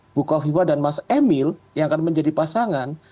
ibu kofifah dan mas emil yang akan menjadi pasangan